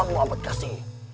pakai matamu ambedkasi